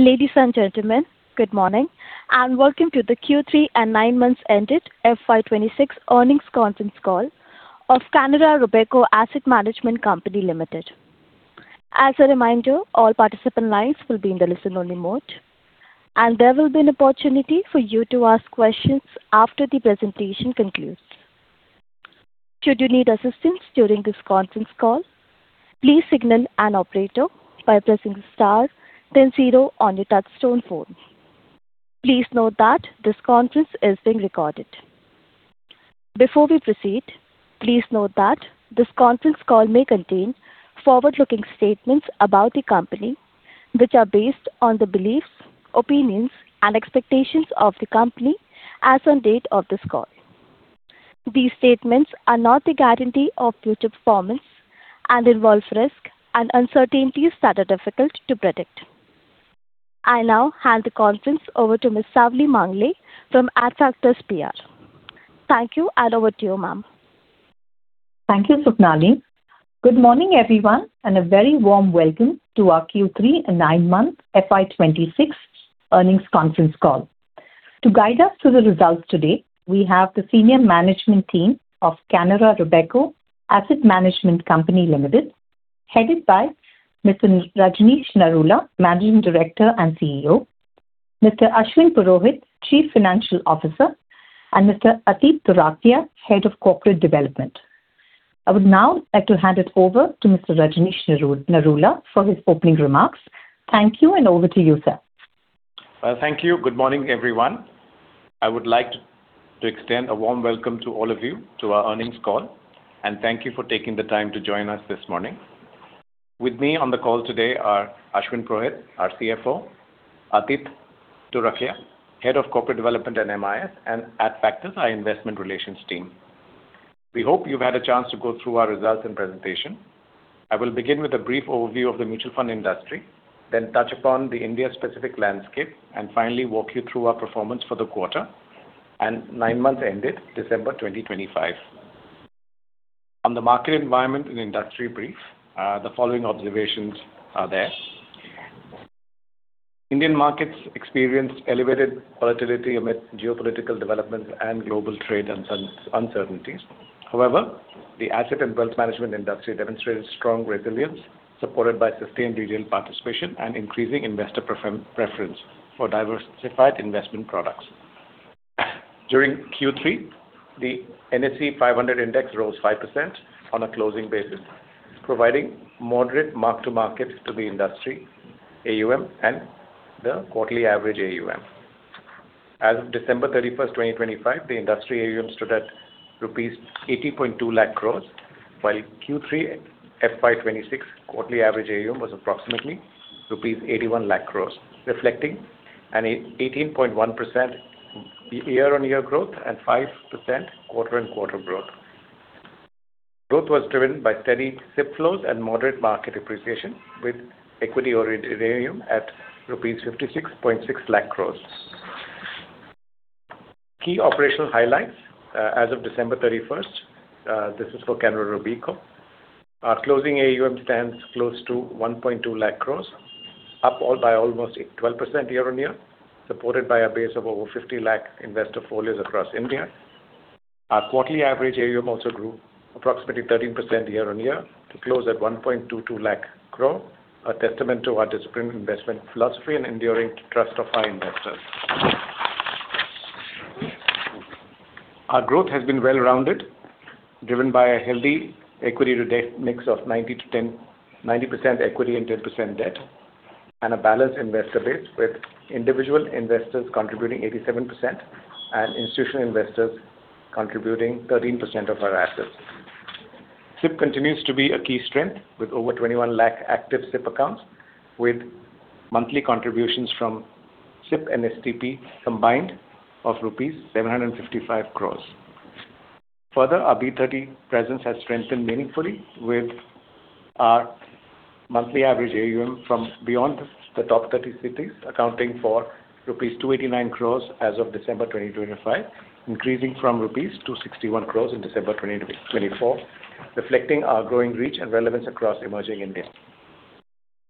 Ladies and gentlemen, good morning, and welcome to the Q3 and Nine Months Ended FY 2026 Earnings Conference Call of Canara Robeco Asset Management Company Limited. As a reminder, all participant lines will be in the listen-only mode, and there will be an opportunity for you to ask questions after the presentation concludes. Should you need assistance during this conference call, please signal an operator by pressing the star 10-0 on your touch-tone phone. Please note that this conference is being recorded. Before we proceed, please note that this conference call may contain forward-looking statements about the company, which are based on the beliefs, opinions, and expectations of the company as of the date of this call. These statements are not a guarantee of future performance and involve risk and uncertainties that are difficult to predict. I now hand the conference over to Ms. Savli Mangle from Adfactors PR. Thank you, and over to you, ma'am. Thank you, Suknali. Good morning, everyone, and a very warm welcome to our Q3 and nine months FY 2026 earnings conference call. To guide us through the results today, we have the senior management team of Canara Robeco Asset Management Company Limited, headed by Mr. Rajnish Narula, Managing Director and CEO, Mr. Ashwin Purohit, Chief Financial Officer, and Mr. Atit Turakhiya, Head of Corporate Development. I would now like to hand it over to Mr. Rajnish Narula for his opening remarks. Thank you, and over to you, sir. Thank you. Good morning, everyone. I would like to extend a warm welcome to all of you to our earnings call, and thank you for taking the time to join us this morning. With me on the call today are Ashwin Purohit, our CFO, Atit Turakhiya, head of corporate development and MIS, and Adfactors, our investment relations team. We hope you've had a chance to go through our results and presentation. I will begin with a brief overview of the mutual fund industry, then touch upon the India-specific landscape, and finally walk you through our performance for the quarter and nine months ended December 2025. On the market environment and industry brief, the following observations are there. Indian markets experienced elevated volatility amid geopolitical developments and global trade uncertainties. However, the asset and wealth management industry demonstrated strong resilience, supported by sustained retail participation and increasing investor preference for diversified investment products. During Q3, the NSE 500 index rose 5% on a closing basis, providing moderate mark-to-market to the industry AUM and the quarterly average AUM. As of December 31st, 2025, the industry AUM stood at rupees 80.2 lakh crore, while Q3 FY 2026 quarterly average AUM was approximately rupees 81 lakh crore, reflecting an 18.1% year-on-year growth and 5% quarter-on-quarter growth. Growth was driven by steady SIP flows and moderate market appreciation, with equity-oriented AUM at INR 56.6 lakh crore. Key operational highlights as of December 31st, this is for Canara Robeco, our closing AUM stands close to 1.2 lakh crore, up by almost 12% year-on-year, supported by a base of over 50 lakh investor folios across India. Our quarterly average AUM also grew approximately 13% year-on-year to close at 1.22 lakh crore, a testament to our disciplined investment philosophy and enduring trust of our investors. Our growth has been well-rounded, driven by a healthy equity-to-debt mix of 90% equity and 10% debt, and a balanced investor base with individual investors contributing 87% and institutional investors contributing 13% of our assets. SIP continues to be a key strength, with over 21 lakh active SIP accounts, with monthly contributions from SIP and STP combined of rupees 755 crores. Further, our B30 presence has strengthened meaningfully, with our monthly average AUM from beyond the top 30 cities accounting for rupees 289 crores as of December 2025, increasing from rupees 261 crores in December 2024, reflecting our growing reach and relevance across emerging India.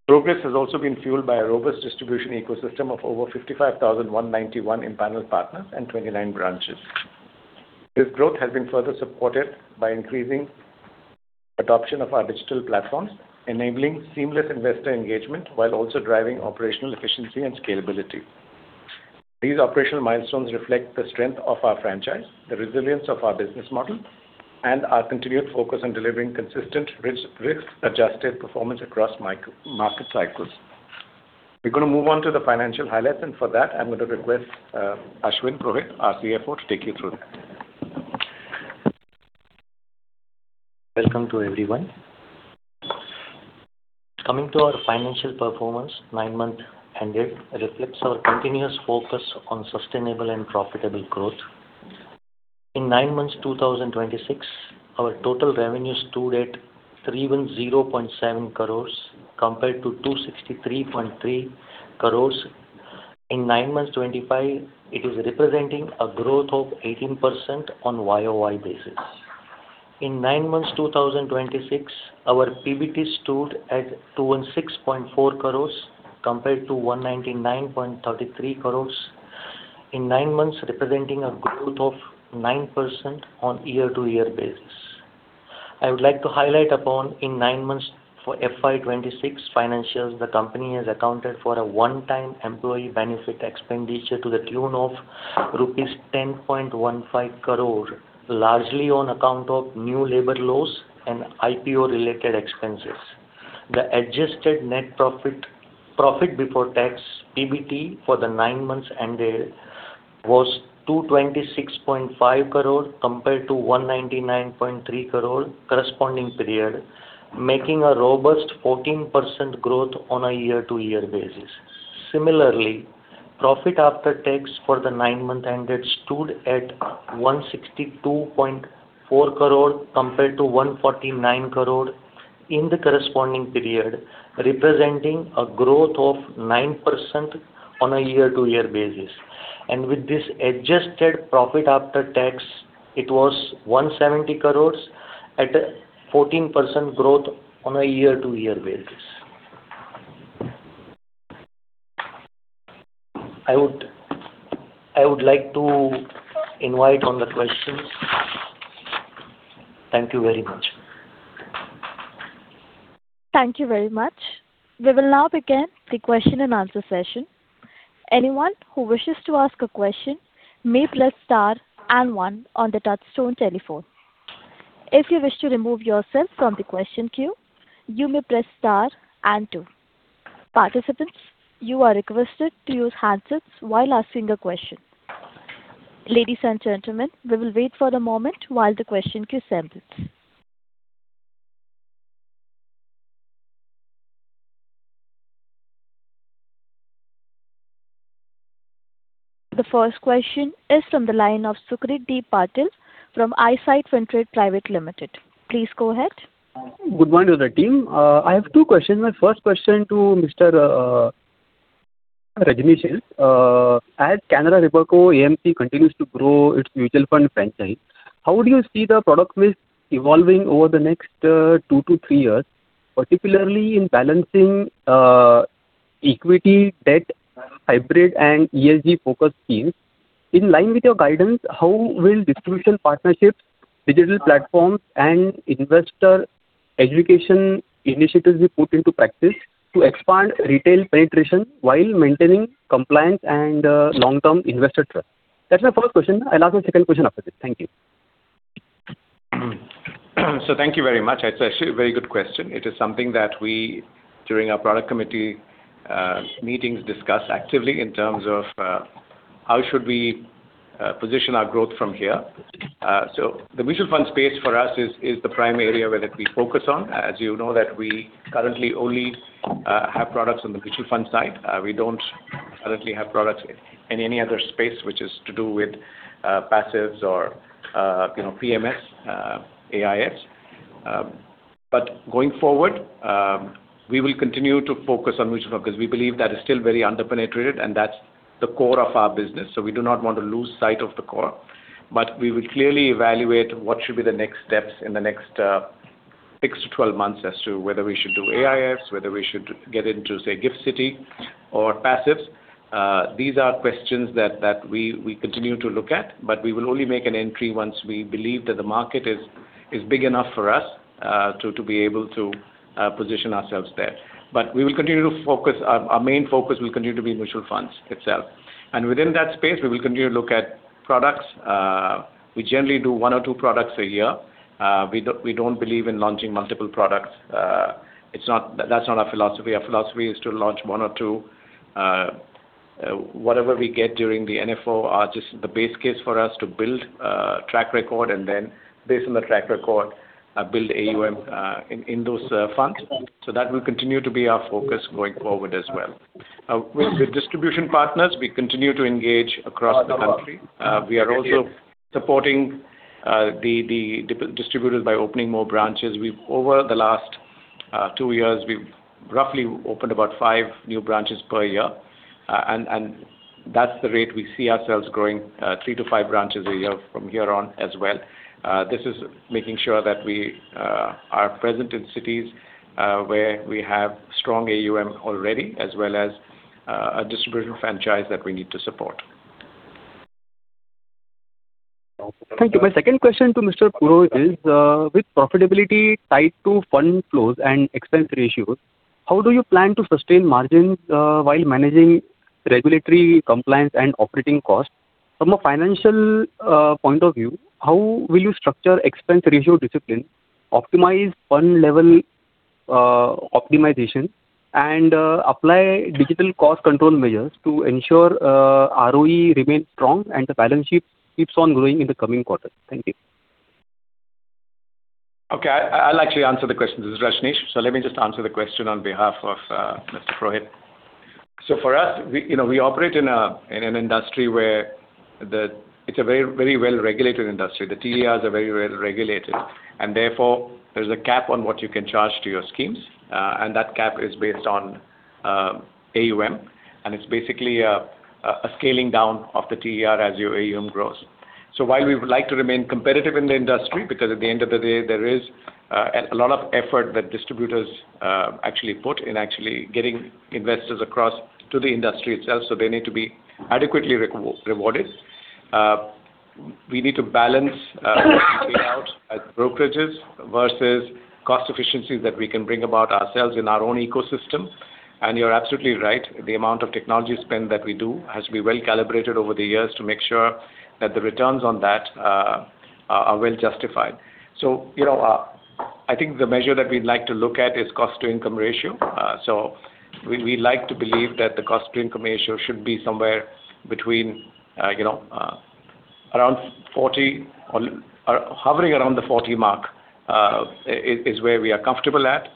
Progress has also been fueled by a robust distribution ecosystem of over 55,191 internal partners and 29 branches. This growth has been further supported by increasing adoption of our digital platforms, enabling seamless investor engagement while also driving operational efficiency and scalability. These operational milestones reflect the strength of our franchise, the resilience of our business model, and our continued focus on delivering consistent risk-adjusted performance across market cycles. We're going to move on to the financial highlights, and for that, I'm going to request Ashwin Purohit, our CFO, to take you through that. Welcome to everyone. Coming to our financial performance, nine months ended reflects our continuous focus on sustainable and profitable growth. In nine months 2026, our total revenues stood at 310.7 crores compared to 263.3 crores. In nine months 2025, it is representing a growth of 18% on a Y-o-Y basis. In nine months 2026, our PBT stood at 216.4 crores compared to 199.33 crores. In nine months, representing a growth of 9% on a year-over-year basis. I would like to highlight upon in nine months for FY 2026 financials, the company has accounted for a one-time employee benefit expenditure to the tune of rupees 10.15 crore, largely on account of new labour laws and IPO-related expenses. The adjusted net profit before tax (PBT) for the nine months ended was 226.5 crore compared to 199.3 crore corresponding period, making a robust 14% growth on a year-over-year basis. Similarly, profit after tax for the nine months ended stood at 162.4 crore compared to 149 crore in the corresponding period, representing a growth of 9% on a year-over-year basis. With this adjusted profit after tax, it was 170 crore at a 14% growth on a year-over-year basis. I would like to invite on the questions. Thank you very much. Thank you very much. We will now begin the question-and-answer session. Anyone who wishes to ask a question may press star and one on the touch-tone telephone. If you wish to remove yourself from the question queue, you may press star and two. Participants, you are requested to use handsets while asking a question. Ladies and gentlemen, we will wait for a moment while the question queue assembles. The first question is from the line of Sucrit Patil from Eyesight Fintrade Private Limited. Please go ahead. Good morning to the team. I have two questions. My first question to Mr. Rajnish: as Canara Robeco AMC continues to grow its mutual fund franchise, how do you see the product list evolving over the next two-three years, particularly in balancing equity, debt, hybrid, and ESG-focused schemes? In line with your guidance, how will distribution partnerships, digital platforms, and investor education initiatives be put into practice to expand retail penetration while maintaining compliance and long-term investor trust? That's my first question. I'll ask the second question after this. Thank you. Thank you very much. It's actually a very good question. It is something that we, during our product committee meetings, discuss actively in terms of how should we position our growth from here. The mutual fund space for us is the prime area that we focus on. As you know, we currently only have products on the mutual fund side. We don't currently have products in any other space, which is to do with passives or PMS, AIFs. But going forward, we will continue to focus on mutual fund because we believe that is still very under-penetrated, and that's the core of our business. We do not want to lose sight of the core. But we will clearly evaluate what should be the next steps in the next 6-12 months as to whether we should do AIF, whether we should get into, say, GIFT City, or passives. These are questions that we continue to look at, but we will only make an entry once we believe that the market is big enough for us to be able to position ourselves there. But we will continue to focus. Our main focus will continue to be mutual funds itself. And within that space, we will continue to look at products. We generally do one or two products a year. We don't believe in launching multiple products. That's not our philosophy. Our philosophy is to launch one or two. Whatever we get during the NFO are just the base case for us to build a track record, and then based on the track record, build AUM in those funds. So that will continue to be our focus going forward as well. With distribution partners, we continue to engage across the country. We are also supporting the distributors by opening more branches. Over the last two years, we've roughly opened about five new branches per year, and that's the rate we see ourselves growing: three-five branches a year from here on as well. This is making sure that we are present in cities where we have strong AUM already, as well as a distribution franchise that we need to support. Thank you. My second question to Mr. Purohit is, with profitability tied to fund flows and expense ratios, how do you plan to sustain margins while managing regulatory compliance and operating costs? From a financial point of view, how will you structure expense ratio discipline, optimize fund level optimization, and apply digital cost control measures to ensure ROE remains strong and the balance sheet keeps on growing in the coming quarters? Thank you. Okay. I'll actually answer the question. This is Rajnish. So let me just answer the question on behalf of Mr. Purohit. So for us, we operate in an industry where it's a very well-regulated industry. The TERs are very well-regulated, and therefore, there's a cap on what you can charge to your schemes. And that cap is based on AUM, and it's basically a scaling down of the TER as your AUM grows. So while we would like to remain competitive in the industry because at the end of the day, there is a lot of effort that distributors actually put in actually getting investors across to the industry itself, so they need to be adequately rewarded. We need to balance brokerages versus cost efficiencies that we can bring about ourselves in our own ecosystem. And you're absolutely right. The amount of technology spend that we do has to be well calibrated over the years to make sure that the returns on that are well justified. So I think the measure that we'd like to look at is cost-to-income ratio. So we like to believe that the cost-to-income ratio should be somewhere between around 40%, hovering around the 40% mark is where we are comfortable at.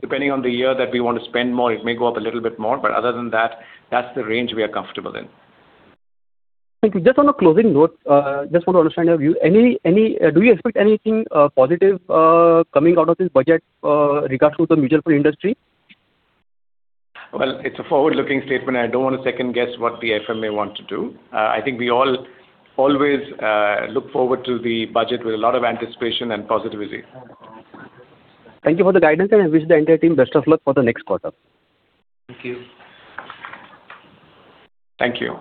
Depending on the year that we want to spend more, it may go up a little bit more. But other than that, that's the range we are comfortable in. Thank you. Just on a closing note, just want to understand your view. Do you expect anything positive coming out of this budget regards to the mutual fund industry? Well, it's a forward-looking statement. I don't want to second-guess what the FM wants to do. I think we all always look forward to the budget with a lot of anticipation and positivity. Thank you for the guidance, and I wish the entire team best of luck for the next quarter. Thank you. Thank you.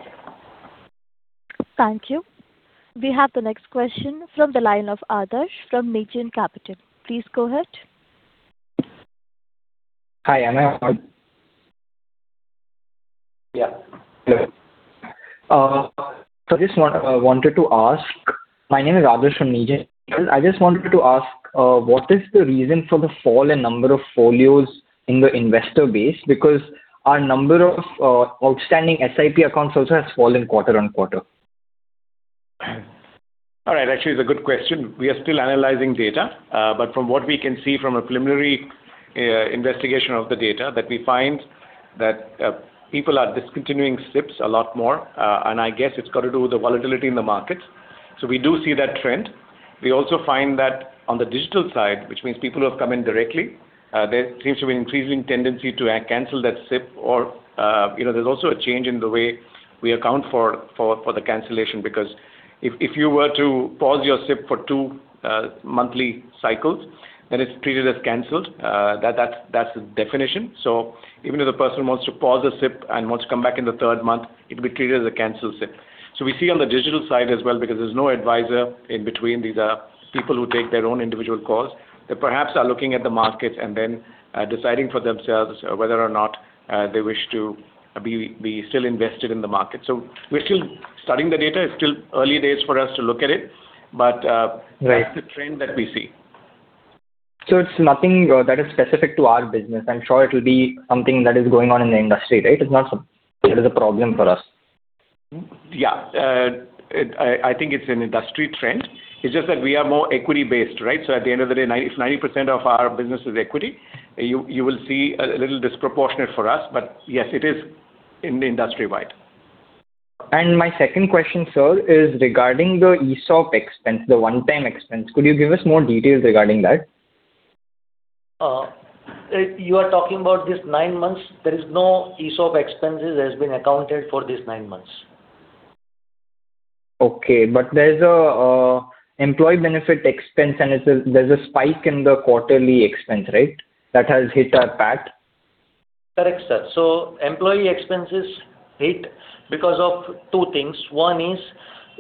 Thank you. We have the next question from the line of Adarsh from Negen Capital. Please go ahead. Hi. Can I? Yeah. So I just wanted to ask. My name is Adarsh from Negen. I just wanted to ask, what is the reason for the fall in number of folios in the investor base? Because our number of outstanding SIP accounts also has fallen quarter-on-quarter. All right. Actually, it's a good question. We are still analyzing data. From what we can see from a preliminary investigation of the data, we find that people are discontinuing SIPs a lot more. I guess it's got to do with the volatility in the markets. We do see that trend. We also find that on the digital side, which means people who have come in directly, there seems to be an increasing tendency to cancel that SIP. There's also a change in the way we account for the cancellation because if you were to pause your SIP for two monthly cycles, then it's treated as canceled. That's the definition. Even if the person wants to pause a SIP and wants to come back in the third month, it will be treated as a canceled SIP. So we see on the digital side as well because there's no advisor in between. These are people who take their own individual calls that perhaps are looking at the markets and then deciding for themselves whether or not they wish to be still invested in the market. So we're still studying the data. It's still early days for us to look at it. But that's the trend that we see. It's nothing that is specific to our business. I'm sure it will be something that is going on in the industry, right? It's not something that is a problem for us. Yeah. I think it's an industry trend. It's just that we are more equity-based, right? So at the end of the day, if 90% of our business is equity, you will see a little disproportionate for us. But yes, it is industry-wide. My second question, sir, is regarding the ESOP expense, the one-time expense. Could you give us more details regarding that? You are talking about this nine months. There is no ESOP expenses that have been accounted for these nine months. Okay. But there's an employee benefit expense, and there's a spike in the quarterly expense, right, that has hit our PAT? Correct, sir. So employee expenses hit because of two things. One is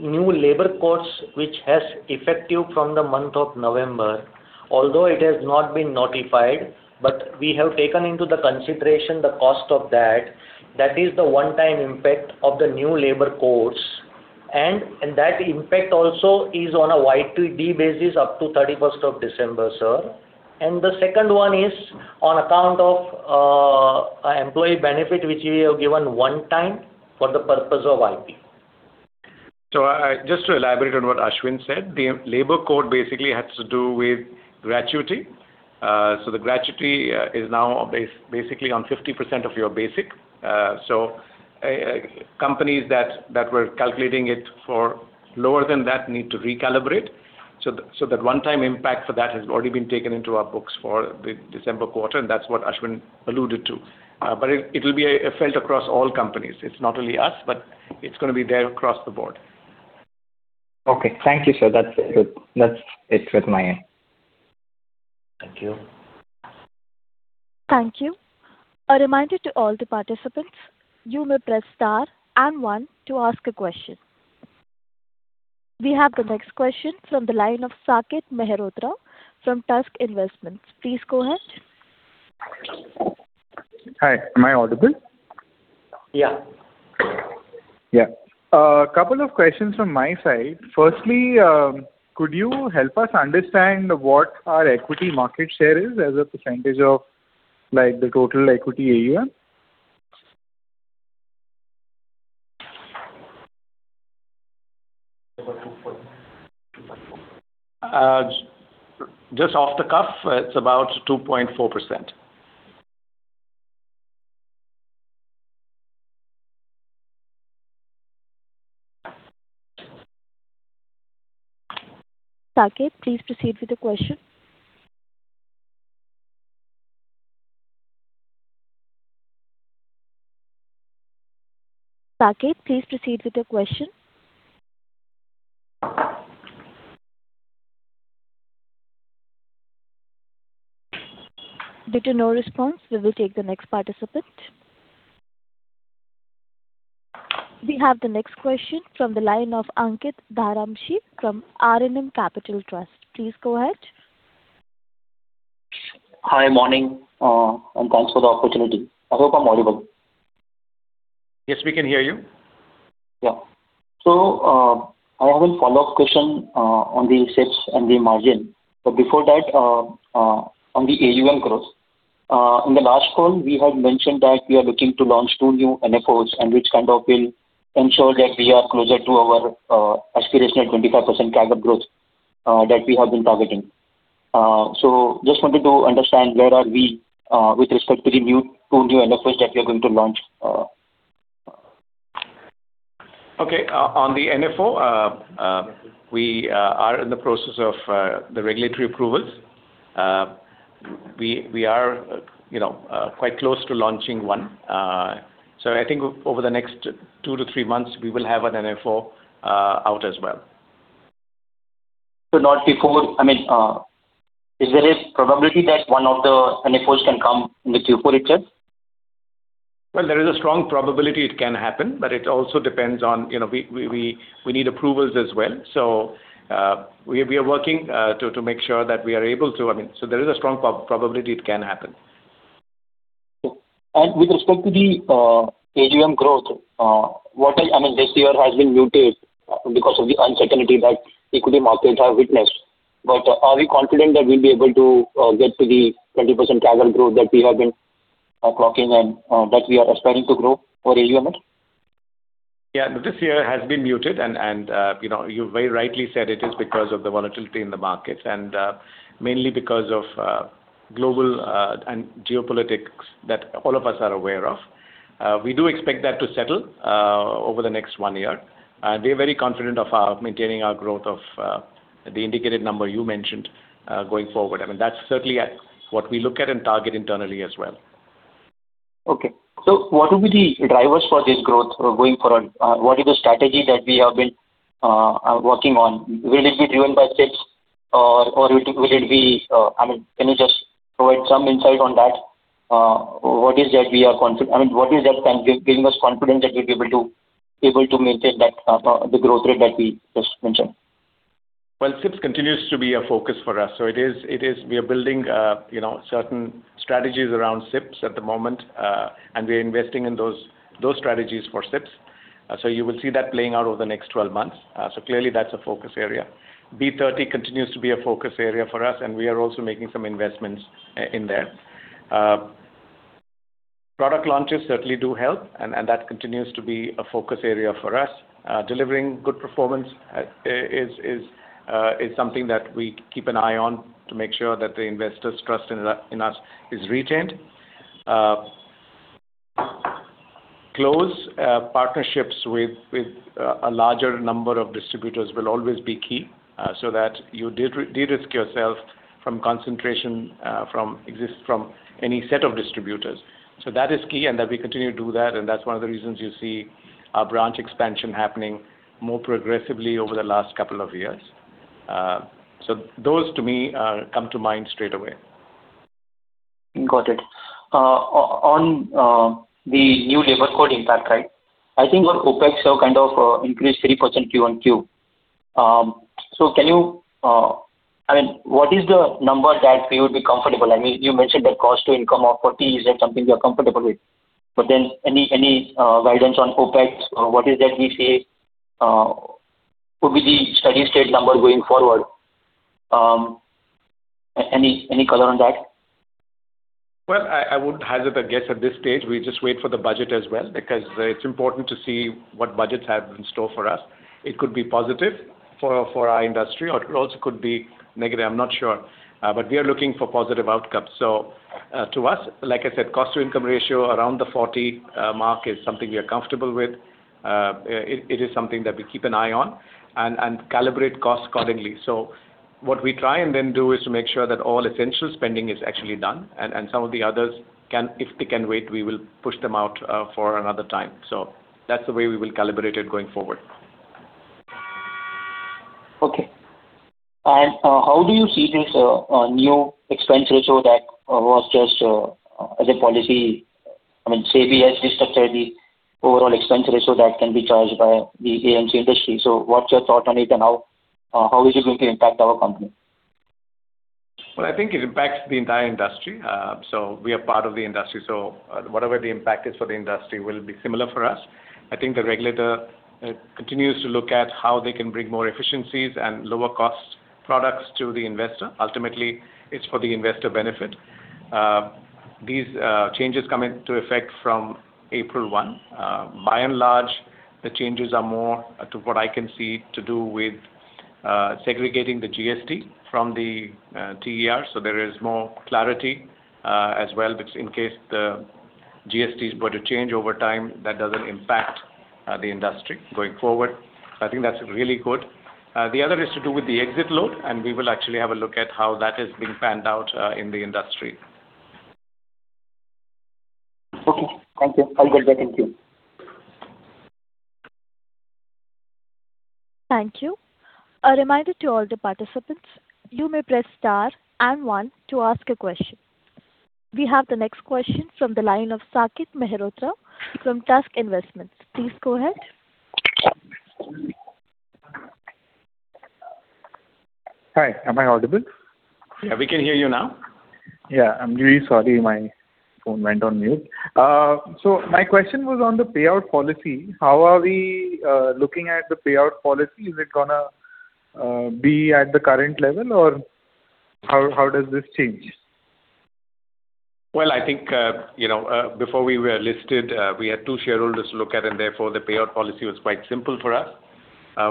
new labour costs, which has effective from the month of November, although it has not been notified. But we have taken into consideration the cost of that. That is the one-time impact of the new labour costs. That impact also is on a YTD basis up to 31st of December, sir. The second one is on account of employee benefit, which we have given one time for the purpose of IPO. So just to elaborate on what Ashwin said, the labor code basically has to do with gratuity. So the gratuity is now basically on 50% of your basic. So companies that were calculating it for lower than that need to recalibrate. So that one-time impact for that has already been taken into our books for the December quarter. And that's what Ashwin alluded to. But it will be felt across all companies. It's not only us, but it's going to be there across the board. Okay. Thank you, sir. That's it with my end. Thank you. Thank you. A reminder to all the participants, you may press star and one to ask a question. We have the next question from the line of Saket Mehrotra from Tusk Investments. Please go ahead. Hi. Am I audible? Yeah. Yeah. A couple of questions from my side. Firstly, could you help us understand what our equity market share is as a percentage of the total equity AUM? Just off the cuff, it's about 2.4%. Saket, please proceed with the question. Saket, please proceed with the question. Due to no response, we will take the next participant. We have the next question from the line of Ankit Dharamshi from RNM Capital Trust. Please go ahead. Hi. Morning. Thanks for the opportunity. I hope I'm audible. Yes, we can hear you. Yeah. So I have a follow-up question on the SIPs and the margin. But before that, on the AUM growth, in the last call, we had mentioned that we are looking to launch two new NFOs and which kind of will ensure that we are closer to our aspirational 25% cap of growth that we have been targeting. So just wanted to understand where are we with respect to the two new NFOs that we are going to launch? Okay. On the NFO, we are in the process of the regulatory approvals. We are quite close to launching one. So I think over the next two-three months, we will have an NFO out as well. So not before. I mean, is there a probability that one of the NFOs can come in the Q4 itself? Well, there is a strong probability it can happen, but it also depends on we need approvals as well. So we are working to make sure that we are able to. I mean, so there is a strong probability it can happen. With respect to the AUM growth, what I mean, this year has been muted because of the uncertainty that equity markets have witnessed. But are we confident that we'll be able to get to the 20% cap of growth that we have been clocking and that we are aspiring to grow for AUM? Yeah. This year has been muted, and you very rightly said it is because of the volatility in the markets and mainly because of global and geopolitics that all of us are aware of. We do expect that to settle over the next one year. And we are very confident of maintaining our growth of the indicated number you mentioned going forward. I mean, that's certainly what we look at and target internally as well. Okay. So what will be the drivers for this growth going forward? What is the strategy that we have been working on? Will it be driven by SIPs, or will it be—I mean, can you just provide some insight on that? What is that we are confident? I mean, what is that giving us confidence that we'll be able to maintain the growth rate that we just mentioned? Well, SIPs continues to be a focus for us. So we are building certain strategies around SIPs at the moment, and we are investing in those strategies for SIPs. So you will see that playing out over the next 12 months. So clearly, that's a focus area. B30 continues to be a focus area for us, and we are also making some investments in there. Product launches certainly do help, and that continues to be a focus area for us. Delivering good performance is something that we keep an eye on to make sure that the investors' trust in us is retained. Close partnerships with a larger number of distributors will always be key so that you de-risk yourself from concentration from any set of distributors. So that is key, and that we continue to do that. That's one of the reasons you see our branch expansion happening more progressively over the last couple of years. Those, to me, come to mind straight away. Got it. On the new Labour Code impact, right? I think OpEx have kind of increased 3% Q-on-Q. So can you I mean, what is the number that we would be comfortable? I mean, you mentioned that cost-to-income of 40% is something you're comfortable with. But then any guidance on OpEx, what is that we see? What will be the steady-state number going forward? Any color on that? Well, I would hazard a guess at this stage. We just wait for the budget as well because it's important to see what budgets have in store for us. It could be positive for our industry, or it also could be negative. I'm not sure. But we are looking for positive outcomes. So to us, like I said, cost-to-income ratio around the 40% mark is something we are comfortable with. It is something that we keep an eye on and calibrate costs accordingly. So what we try and then do is to make sure that all essential spending is actually done. And some of the others, if they can wait, we will push them out for another time. So that's the way we will calibrate it going forward. Okay. How do you see this new expense ratio that was just as a policy? I mean, SEBI has restructured the overall expense ratio that can be charged by the AMC industry. So what's your thought on it, and how is it going to impact our company? Well, I think it impacts the entire industry. So we are part of the industry. So whatever the impact is for the industry will be similar for us. I think the regulator continues to look at how they can bring more efficiencies and lower-cost products to the investor. Ultimately, it's for the investor benefit. These changes come into effect from April 1. By and large, the changes are more, to what I can see, to do with segregating the GST from the TER. So there is more clarity as well. In case the GST is going to change over time, that doesn't impact the industry going forward. So I think that's really good. The other is to do with the exit load, and we will actually have a look at how that is being panned out in the industry. Okay. Thank you. I'll get back in. Thank you. Thank you. A reminder to all the participants, you may press star and one to ask a question. We have the next question from the line of Saket Mehrotra from Tusk Investments. Please go ahead. Hi. Am I audible? Yeah. We can hear you now. Yeah. I'm really sorry. My phone went on mute. So my question was on the payout policy. How are we looking at the payout policy? Is it going to be at the current level, or how does this change? Well, I think before we were listed, we had two shareholders to look at, and therefore, the payout policy was quite simple for us.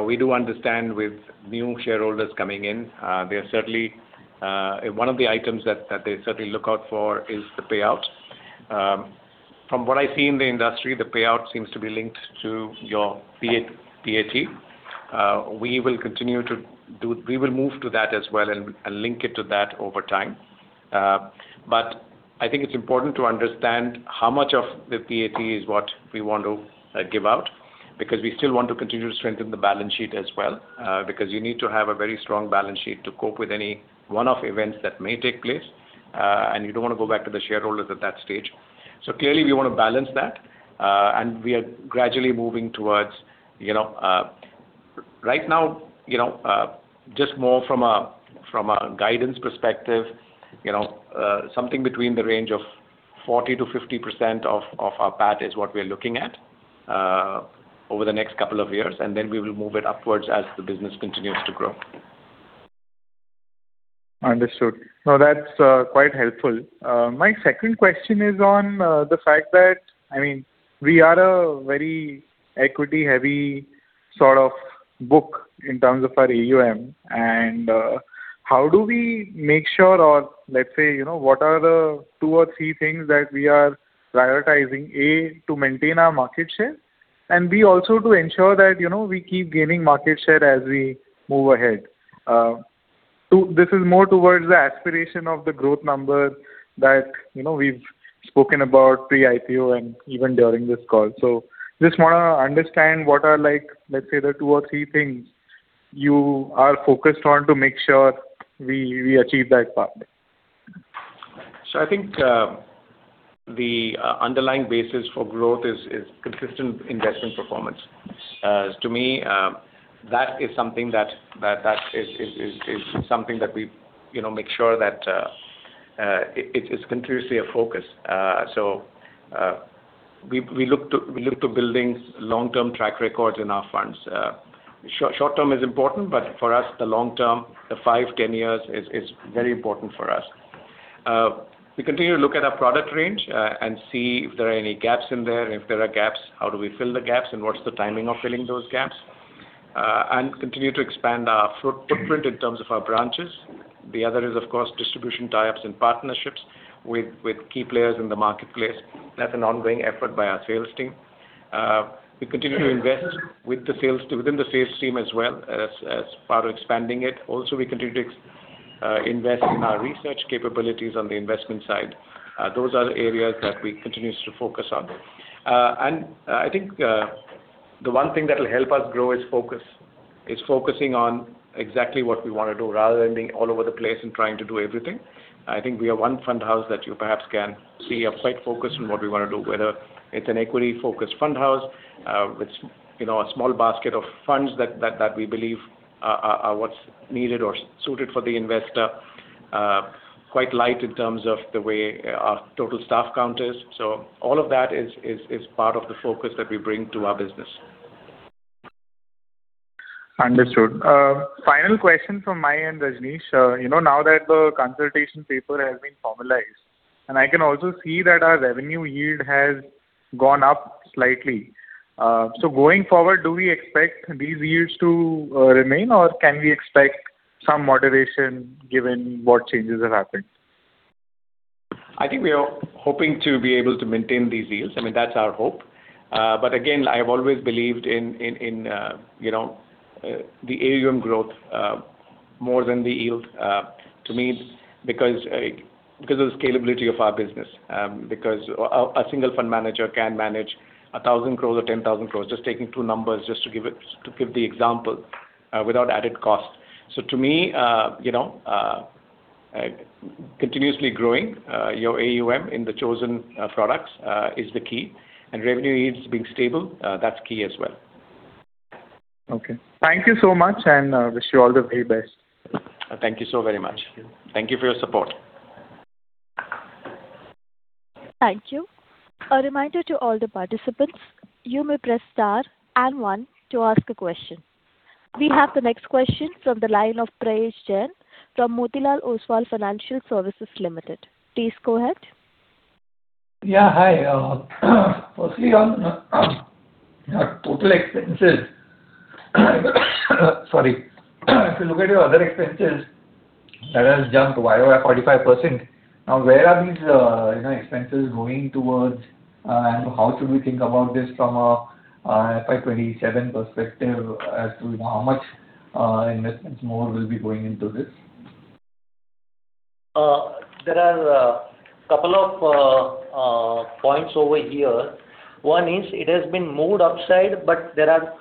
We do understand with new shareholders coming in, there's certainly one of the items that they certainly look out for is the payout. From what I see in the industry, the payout seems to be linked to your PAT. We will move to that as well and link it to that over time. But I think it's important to understand how much of the PAT is what we want to give out because we still want to continue to strengthen the balance sheet as well because you need to have a very strong balance sheet to cope with any one-off events that may take place. And you don't want to go back to the shareholders at that stage. Clearly, we want to balance that. We are gradually moving towards right now, just more from a guidance perspective, something between the range of 40%-50% of our PAT is what we're looking at over the next couple of years. Then we will move it upwards as the business continues to grow. Understood. No, that's quite helpful. My second question is on the fact that, I mean, we are a very equity-heavy sort of book in terms of our AUM. And how do we make sure, or let's say, what are the two or three things that we are prioritizing, A, to maintain our market share, and B, also to ensure that we keep gaining market share as we move ahead? This is more towards the aspiration of the growth number that we've spoken about pre-IPO and even during this call. So just want to understand what are, let's say, the two or three things you are focused on to make sure we achieve that part. I think the underlying basis for growth is consistent investment performance. To me, that is something that we make sure that it's continuously a focus. We look to building long-term track records in our funds. Short-term is important, but for us, the long-term, the 5-10 years is very important for us. We continue to look at our product range and see if there are any gaps in there. If there are gaps, how do we fill the gaps, and what's the timing of filling those gaps? Continue to expand our footprint in terms of our branches. The other is, of course, distribution tie-ups and partnerships with key players in the marketplace. That's an ongoing effort by our sales team. We continue to invest within the sales team as well as part of expanding it. Also, we continue to invest in our research capabilities on the investment side. Those are the areas that we continue to focus on. And I think the one thing that will help us grow is focusing on exactly what we want to do rather than being all over the place and trying to do everything. I think we are one fund house that you perhaps can see are quite focused on what we want to do, whether it's an equity-focused fund house with a small basket of funds that we believe are what's needed or suited for the investor, quite light in terms of the way our total staff count is. So all of that is part of the focus that we bring to our business. Understood. Final question from my end, Rajnish. Now that the consultation paper has been formalized, and I can also see that our revenue yield has gone up slightly. So going forward, do we expect these yields to remain, or can we expect some moderation given what changes have happened? I think we are hoping to be able to maintain these yields. I mean, that's our hope. But again, I have always believed in the AUM growth more than the yield to me because of the scalability of our business, because a single fund manager can manage 1,000 crores or 10,000 crores, just taking two numbers just to give the example without added cost. So to me, continuously growing your AUM in the chosen products is the key. And revenue yields being stable, that's key as well. Okay. Thank you so much and wish you all the very best. Thank you so very much. Thank you for your support. Thank you. A reminder to all the participants, you may press star and one to ask a question. We have the next question from the line of Prayesh Jain from Motilal Oswal Financial Services Limited. Please go ahead. Yeah. Hi. Firstly, on total expenses, sorry, if you look at your other expenses, that has jumped way over 45%. Now, where are these expenses going towards, and how should we think about this from an FY 2027 perspective as to how much investments more will be going into this? There are a couple of points over here. One is it has been moved upside, but there are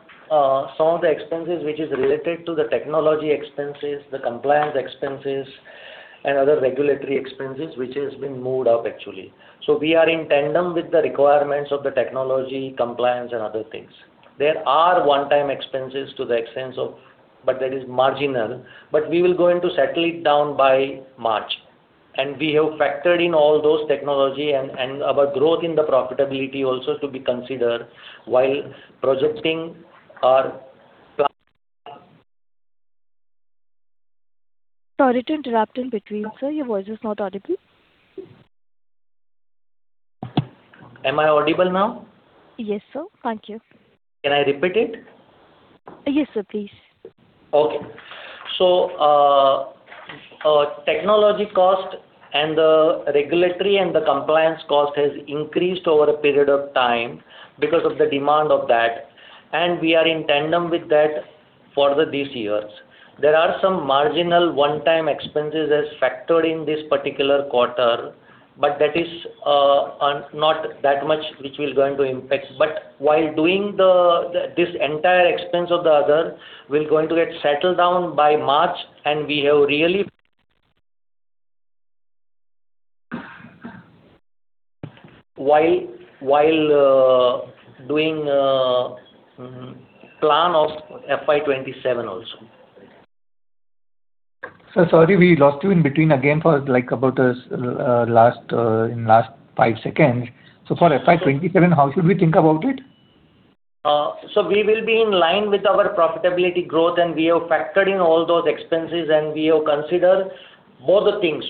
some of the expenses which are related to the technology expenses, the compliance expenses, and other regulatory expenses which have been moved up, actually. So we are in tandem with the requirements of the technology, compliance, and other things. There are one-time expenses to the extent of, but that is marginal. But we will go into settling down by March. And we have factored in all those technology and our growth in the profitability also to be considered while projecting our plan. Sorry to interrupt in between, sir. Your voice is not audible. Am I audible now? Yes, sir. Thank you. Can I repeat it? Yes, sir. Please. Okay. So technology cost and the regulatory and the compliance cost has increased over a period of time because of the demand of that. And we are in tandem with that for these years. There are some marginal one-time expenses as factored in this particular quarter, but that is not that much which will go into impact. But while doing this entire expense of the other, we're going to get settled down by March, and we have really while doing plan of FY 2027 also. Sir, sorry, we lost you in between again for about last 5 seconds. So for FY 2027, how should we think about it? We will be in line with our profitability growth, and we have factored in all those expenses, and we have considered both the things,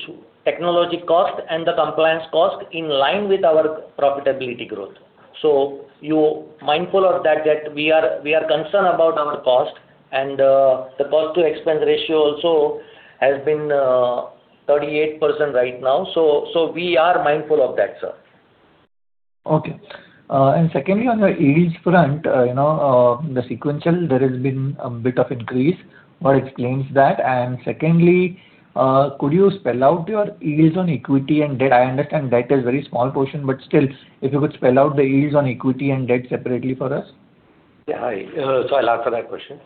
technology cost and the compliance cost, in line with our profitability growth. So you mindful of that, that we are concerned about our cost. The cost-to-income ratio also has been 38% right now. So we are mindful of that, sir. Okay. And secondly, on your yields front, the sequential, there has been a bit of increase. What explains that? And secondly, could you spell out your yields on equity and debt? I understand debt is a very small portion, but still, if you could spell out the yields on equity and debt separately for us. Yeah. Sorry, I'll answer that question.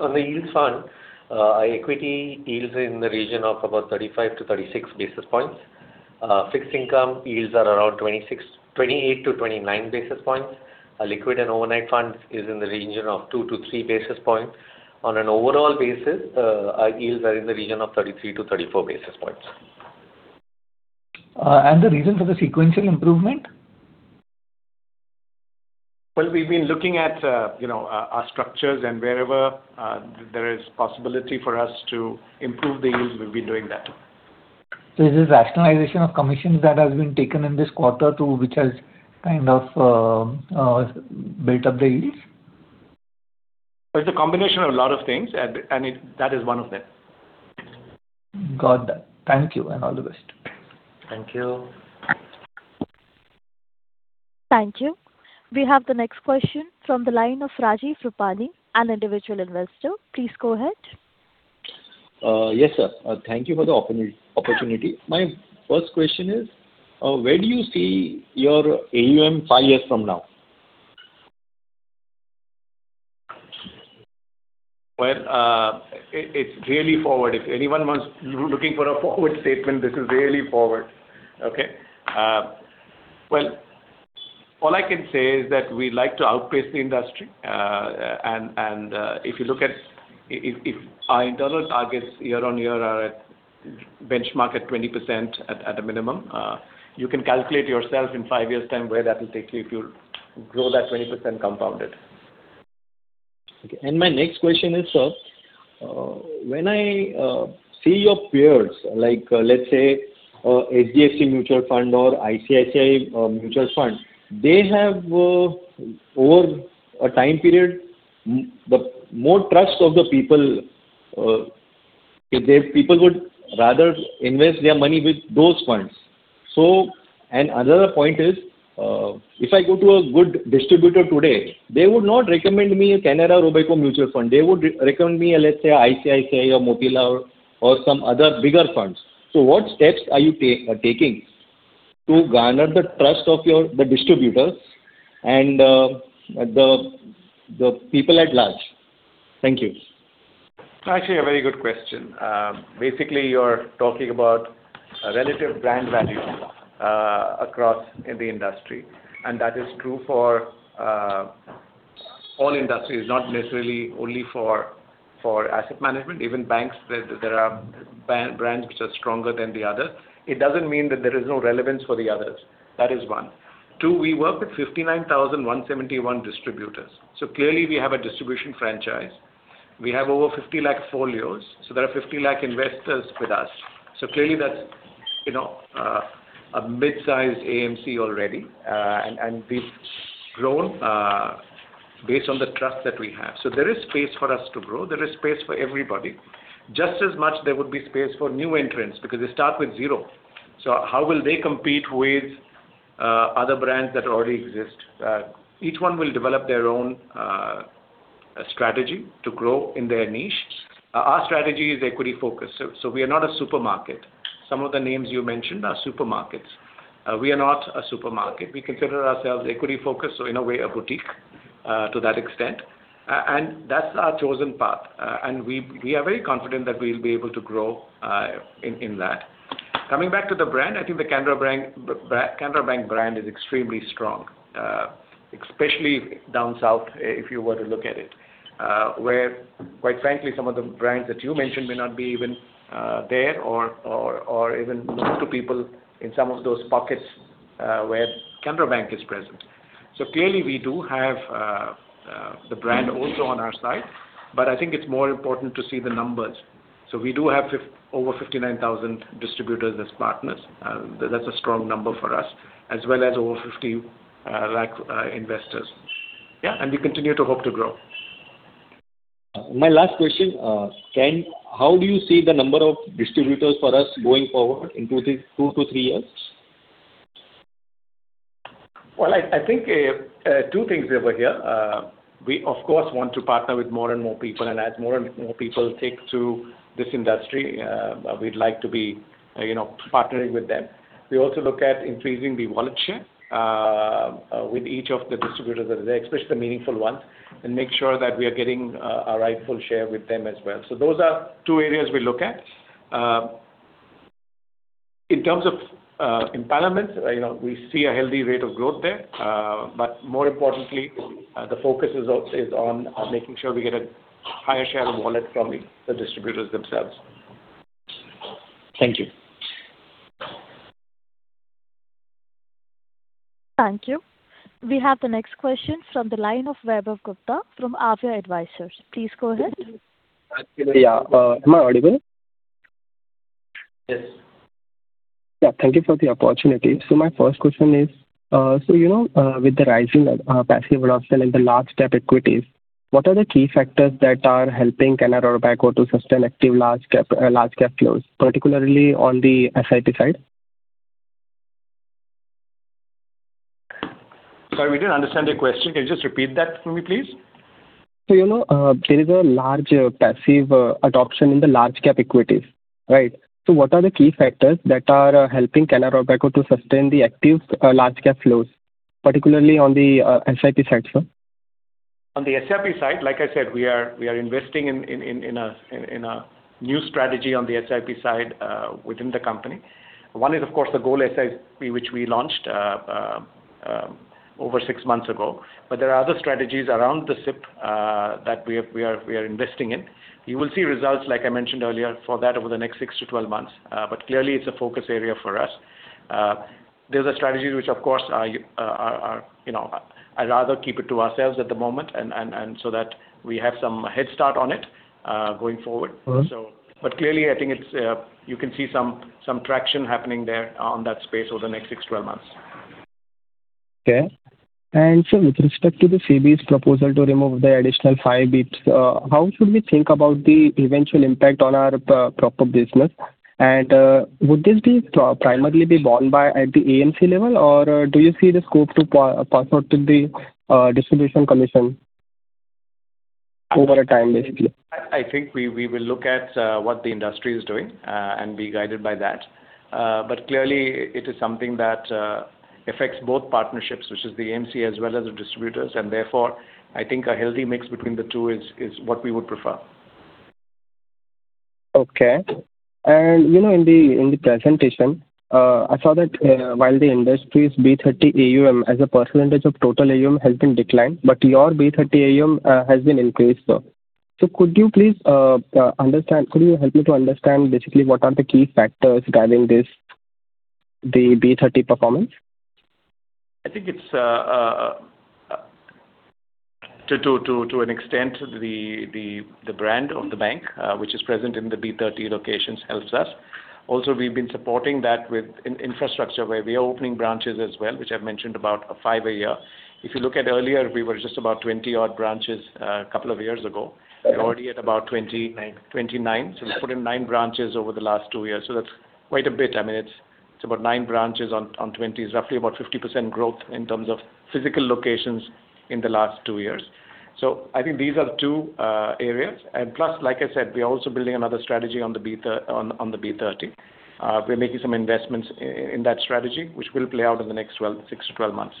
On the yields fund, equity yields are in the region of about 35-36 basis points. Fixed income yields are around 28-29 basis points. Liquid and overnight funds are in the region of 2-3 basis points. On an overall basis, our yields are in the region of 33-34 basis points. The reason for the sequential improvement? Well, we've been looking at our structures, and wherever there is possibility for us to improve the yields, we've been doing that. Is it rationalization of commissions that has been taken in this quarter which has kind of built up the yields? It's a combination of a lot of things, and that is one of them. Got that. Thank you and all the best. Thank you. Thank you. We have the next question from the line of Rajeev Rupani, an individual investor. Please go ahead. Yes, sir. Thank you for the opportunity. My first question is, where do you see your AUM five years from now? Well, it's really forward. If anyone was looking for a forward statement, this is really forward. Okay. Well, all I can say is that we like to outpace the industry. And if you look at our internal targets year on year, our benchmark at 20% at a minimum, you can calculate yourself in five years' time where that will take you if you grow that 20% compounded. Okay. And my next question is, sir, when I see your peers, let's say HDFC Mutual Fund or ICICI Mutual Fund, they have over a time period the more trust of the people. People would rather invest their money with those funds. And another point is, if I go to a good distributor today, they would not recommend me a Canara Robeco Mutual Fund. They would recommend me, let's say, ICICI or Motilal or some other bigger funds. So what steps are you taking to garner the trust of the distributors and the people at large? Thank you. Actually, a very good question. Basically, you're talking about relative brand value across the industry. And that is true for all industries, not necessarily only for asset management. Even banks, there are brands which are stronger than the others. It doesn't mean that there is no relevance for the others. That is one. Two, we work with 59,171 distributors. So clearly, we have a distribution franchise. We have over 50 lakh folios. So there are 50 lakh investors with us. So clearly, that's a mid-sized AMC already. And we've grown based on the trust that we have. So there is space for us to grow. There is space for everybody, just as much there would be space for new entrants because they start with zero. So how will they compete with other brands that already exist? Each one will develop their own strategy to grow in their niche. Our strategy is equity-focused. So we are not a supermarket. Some of the names you mentioned are supermarkets. We are not a supermarket. We consider ourselves equity-focused, so in a way, a boutique to that extent. And that's our chosen path. We are very confident that we will be able to grow in that. Coming back to the brand, I think the Canara Bank brand is extremely strong, especially down south if you were to look at it, where, quite frankly, some of the brands that you mentioned may not be even there or even known to people in some of those pockets where Canara Bank is present. So clearly, we do have the brand also on our side, but I think it's more important to see the numbers. So we do have over 59,000 distributors as partners. That's a strong number for us, as well as over 50 lakh investors. Yeah. And we continue to hope to grow. My last question, how do you see the number of distributors for us going forward in two-three years? Well, I think two things over here. We, of course, want to partner with more and more people. And as more and more people take to this industry, we'd like to be partnering with them. We also look at increasing the volume with each of the distributors that are there, especially the meaningful ones, and make sure that we are getting our rightful share with them as well. So those are two areas we look at. In terms of empowerment, we see a healthy rate of growth there. But more importantly, the focus is on making sure we get a higher share of wallet from the distributors themselves. Thank you. Thank you. We have the next question from the line of Vaibhav Gupta from Aviva Advisors. Please go ahead. Yeah. Am I audible? Yes. Yeah. Thank you for the opportunity. So my first question is, so with the rising passives and the large-cap equities, what are the key factors that are helping Canara Robeco to sustain active large-cap flows, particularly on the SIP side? Sorry, we didn't understand your question. Can you just repeat that for me, please? There is a large passive adoption in the large-cap equities, right? What are the key factors that are helping Canara Robeco to sustain the active large-cap flows, particularly on the SIP side, sir? On the SIP side, like I said, we are investing in a new strategy on the SIP side within the company. One is, of course, the Goal SIP which we launched over six months ago. But there are other strategies around the SIP that we are investing in. You will see results, like I mentioned earlier, for that over the next 6 to 12 months. But clearly, it's a focus area for us. There's a strategy which, of course, I rather keep it to ourselves at the moment so that we have some head start on it going forward. But clearly, I think you can see some traction happening there on that space over the next 6 to 12 months. Okay. And sir, with respect to the SEBI's proposal to remove the additional 5 bps, how should we think about the eventual impact on our proper business? And would this primarily be borne by the AMC level, or do you see the scope to pass on to the distribution commissions over time, basically? I think we will look at what the industry is doing and be guided by that. But clearly, it is something that affects both partnerships, which is the AMC as well as the distributors. And therefore, I think a healthy mix between the two is what we would prefer. Okay. In the presentation, I saw that while the industry's B30 AUM as a percentage of total AUM has been declined, but your B30 AUM has been increased, sir. So could you help me to understand basically what are the key factors driving this, the B30 performance? I think it's, to an extent, the brand of the bank, which is present in the B30 locations, helps us. Also, we've been supporting that with infrastructure where we are opening branches as well, which I've mentioned about 5 a year. If you look at earlier, we were just about 20-odd branches a couple of years ago. We're already at about 29. So we've put in 9 branches over the last 2 years. So that's quite a bit. I mean, it's about 9 branches on 20, roughly about 50% growth in terms of physical locations in the last two years. So I think these are the two areas. And plus, like I said, we are also building another strategy on the B30. We're making some investments in that strategy, which will play out in the next 6 to 12 months.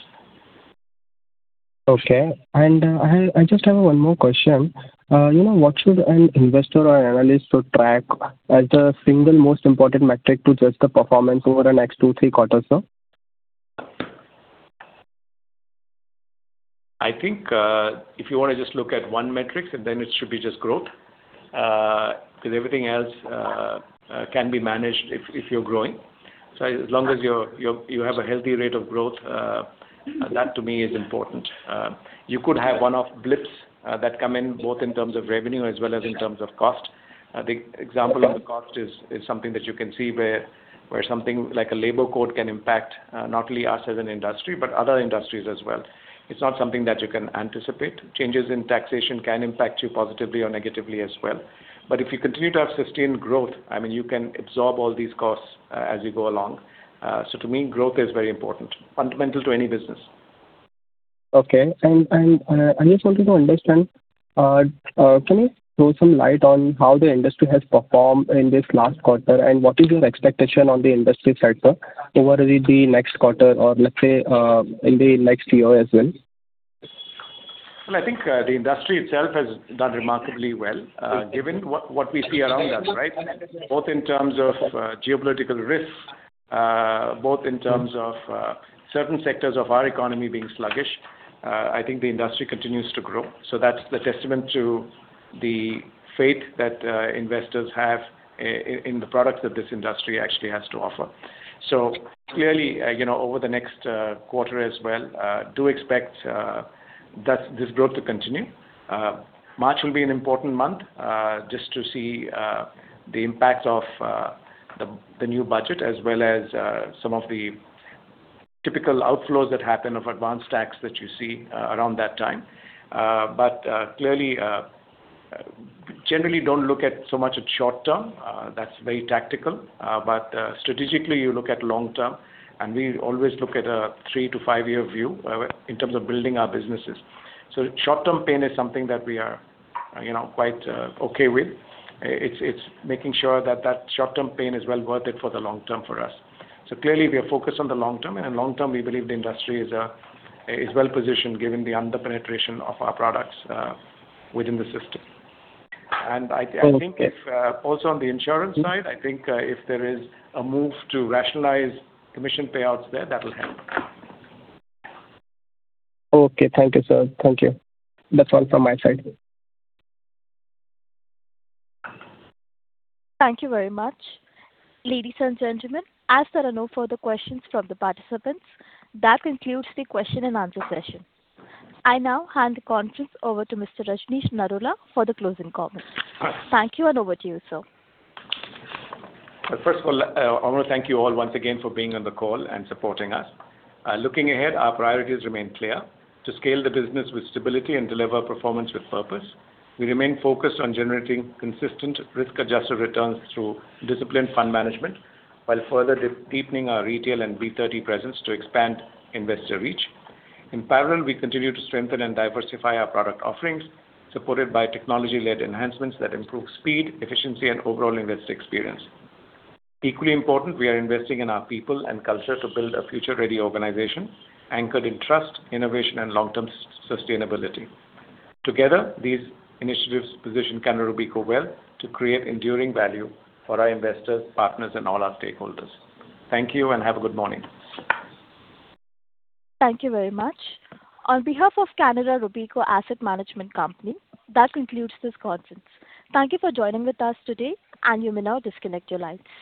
Okay. I just have one more question. What should an investor or analyst track as the single most important metric to judge the performance over the next two, three quarters, sir? I think if you want to just look at one metric, then it should be just growth because everything else can be managed if you're growing. So as long as you have a healthy rate of growth, that to me is important. You could have one-off blips that come in both in terms of revenue as well as in terms of cost. The example of the cost is something that you can see where something like a Labour Code can impact not only us as an industry, but other industries as well. It's not something that you can anticipate. Changes in taxation can impact you positively or negatively as well. But if you continue to have sustained growth, I mean, you can absorb all these costs as you go along. So to me, growth is very important, fundamental to any business. Okay. I just wanted to understand, can you throw some light on how the industry has performed in this last quarter and what is your expectation on the industry sector over the next quarter or, let's say, in the next year as well? Well, I think the industry itself has done remarkably well given what we see around us, right? Both in terms of geopolitical risks, both in terms of certain sectors of our economy being sluggish, I think the industry continues to grow. So that's the testament to the faith that investors have in the products that this industry actually has to offer. So clearly, over the next quarter as well, do expect this growth to continue. March will be an important month just to see the impact of the new budget as well as some of the typical outflows that happen of advanced tax that you see around that time. But clearly, generally, don't look at so much at short term. That's very tactical. But strategically, you look at long term. And we always look at a three-five-year view in terms of building our businesses. So short-term pain is something that we are quite okay with. It's making sure that that short-term pain is well worth it for the long term for us. So clearly, we are focused on the long term. And in long term, we believe the industry is well positioned given the under-penetration of our products within the system. And I think also on the insurance side, I think if there is a move to rationalize commission payouts there, that will help. Okay. Thank you, sir. Thank you. That's all from my side. Thank you very much. Ladies and gentlemen, as there are no further questions from the participants, that concludes the question and answer session. I now hand the conference over to Mr. Rajnish Narula for the closing comments. Thank you, and over to you, sir. First of all, I want to thank you all once again for being on the call and supporting us. Looking ahead, our priorities remain clear. To scale the business with stability and deliver performance with purpose, we remain focused on generating consistent risk-adjusted returns through disciplined fund management while further deepening our retail and B30 presence to expand investor reach. In parallel, we continue to strengthen and diversify our product offerings, supported by technology-led enhancements that improve speed, efficiency, and overall investor experience. Equally important, we are investing in our people and culture to build a future-ready organization anchored in trust, innovation, and long-term sustainability. Together, these initiatives position Canara Robeco well to create enduring value for our investors, partners, and all our stakeholders. Thank you, and have a good morning. Thank you very much. On behalf of Canara Robeco Asset Management Company, that concludes this conference. Thank you for joining with us today, and you may now disconnect your lines.